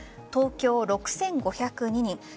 東京６５０２人。